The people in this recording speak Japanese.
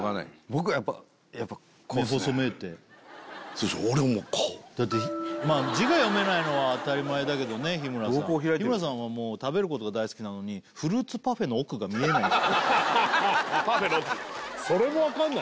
僕はやっぱやっぱこうですね目細めてそうでしょ俺もこうだってまあ字が読めないのは当たり前だけどね日村さん瞳孔開いてる日村さんはもう食べることが大好きなのにパフェの奥それもわかんない？